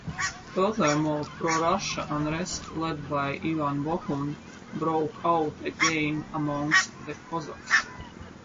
Furthermore, pro-Russia unrest led by Ivan Bohun broke out again amongst the Cossacks.